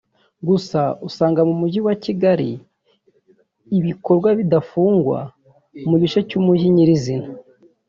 Gusa usanga mu mujyi wa Kigali ibikorwa bidafungwa mu gice cy’umujyi nyirizina